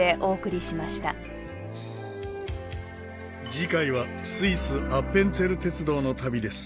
次回はスイスアッペンツェル鉄道の旅です。